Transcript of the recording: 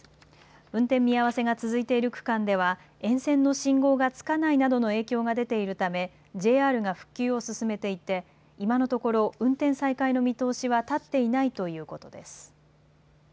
運転見合わせが続いている区間では沿線の信号がつかないなどの影響が出ているためＪＲが復旧を進めていて、今のところ運転再開の見通しは立っていないということです。